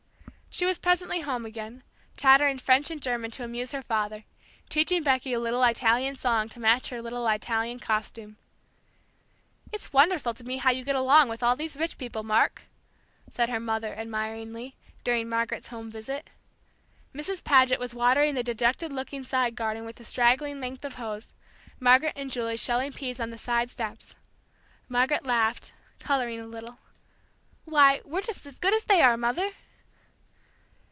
She was presently home again, chattering French and German to amuse her father, teaching Becky a little Italian song to match her little Italian costume. "It's wonderful to me how you get along with all these rich people, Mark," said her mother, admiringly, during Margaret's home visit. Mrs. Paget was watering the dejected looking side garden with a straggling length of hose; Margaret and Julie shelling peas on the side steps. Margaret laughed, coloring a little. "Why, we're just as good as they are, Mother!"